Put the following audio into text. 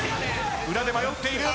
裏で迷っている。